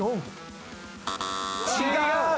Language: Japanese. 違う。